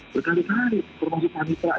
berkali kali termasuk panitra